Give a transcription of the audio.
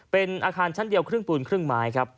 เป็นอาคารชั้นเดียวครึ่งปูนครึ่งไม้ครับ